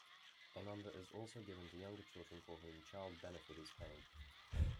A number is also given to younger children for whom Child Benefit is paid.